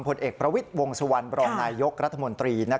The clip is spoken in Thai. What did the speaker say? ผลเอกประวิทย์วงสุวรรณบรองนายยกรัฐมนตรี